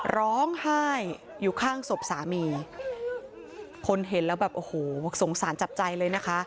ร้องไห้อยู่ข้างศพสามีคนเห็นแล้วแบบโอ้โหสงสารจับใจเลยนะคะ